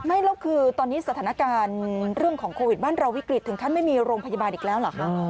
ไม่แล้วคือตอนนี้สถานการณ์เรื่องของโควิดบ้านเราวิกฤตถึงขั้นไม่มีโรงพยาบาลอีกแล้วเหรอคะ